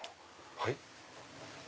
はい？